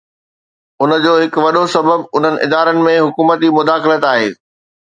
ان جو هڪ وڏو سبب انهن ادارن ۾ حڪومتي مداخلت آهي.